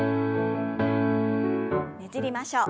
ねじりましょう。